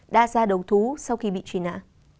đã ra đấu thú sau khi bị truy nã